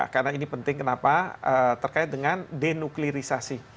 karena ini penting kenapa terkait dengan denuklirisasi